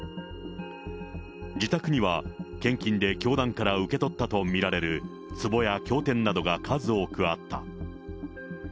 自宅には献金で教団から受け取ったと見られる、つぼや経典などが数多くあった。